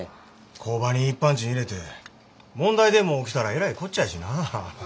工場に一般人入れて問題でも起きたらえらいこっちゃやしな。